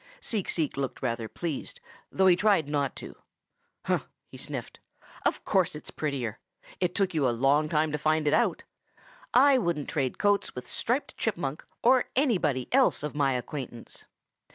Seek Seek looked rather pleased, though he tried not to. "Huh!" he sniffed. "Of course it's prettier. It took you a long time to find it out. I wouldn't trade coats with Striped Chipmunk or anybody else of my acquaintance."